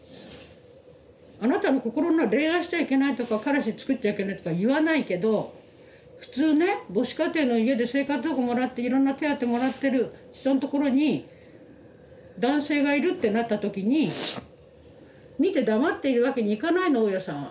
あなたの心が恋愛しちゃいけないとか彼氏つくっちゃいけないとか言わないけど普通ね母子家庭の家で生活保護もらっていろんな手当もらってる人のところに男性がいるってなった時に見て黙っているわけにいかないの大家さんは。